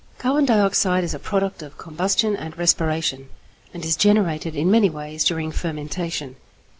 = Carbon dioxide is a product of combustion and respiration, and is generated in many ways during fermentation.